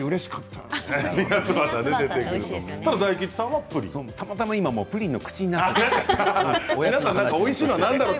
たまたま今プリンの口になっている。